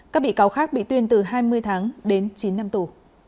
các bị cáo khác bị tuyên từ hai mươi tháng đến chín năm tù